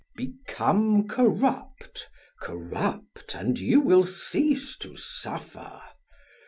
"Become corrupt, corrupt, and you will cease to suffer!"